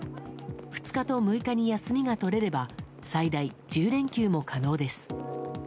２日と６日に休みが取れれば最大１０連休も可能です。